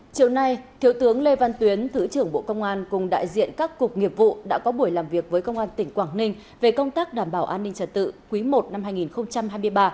chiều nay thiếu tướng lê văn tuyến thứ trưởng bộ công an cùng đại diện các cục nghiệp vụ đã có buổi làm việc với công an tỉnh quảng ninh về công tác đảm bảo an ninh trật tự quý i năm hai nghìn hai mươi ba